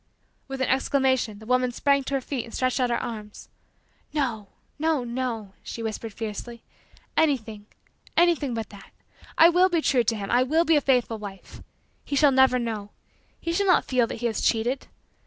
With an exclamation, the woman sprang to her feet and stretched out her arms. "No, no, no," she whispered fiercely, "anything, anything, but that. I will be true to him. I will be a faithful wife. He shall never know. He shall not feel that he is cheated.